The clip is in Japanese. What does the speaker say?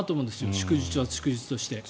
祝日は祝日として。